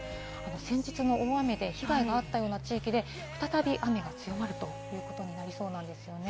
先日の大雨で被害があったような地域で、再び雨が強まるということになりそうです。